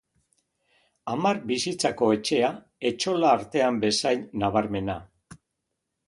Hamar bizitzako etxea, etxola artean bezain nabarmena.